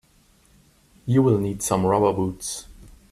You will need some rubber boots.